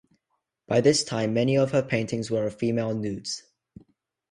By this time many of her paintings were of female nudes.